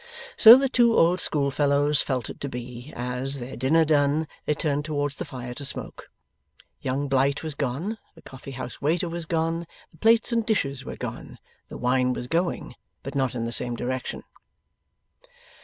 So the two old schoolfellows felt it to be, as, their dinner done, they turned towards the fire to smoke. Young Blight was gone, the coffee house waiter was gone, the plates and dishes were gone, the wine was going but not in the same direction.